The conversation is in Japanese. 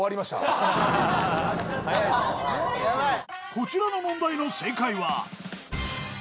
［こちらの問題の正解は］